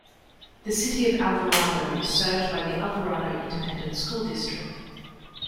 The City of Alvarado is served by the Alvarado Independent School District.